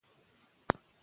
ځان ته واړه اهداف وټاکئ.